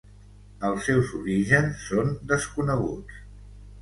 Els seus orígens són desconeguts.